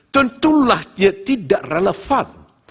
tentulah dia tidak relevan